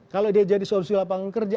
kalau dia jadi solusi lapangan kerja